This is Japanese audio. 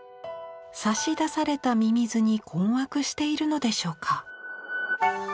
差し出されたミミズに困惑しているのでしょうか。